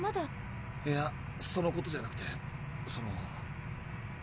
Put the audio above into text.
いやそのことじゃなくてその。